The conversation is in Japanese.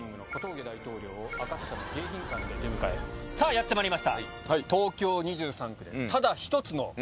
やってまいりました。